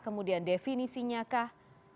kemudian definisinya kah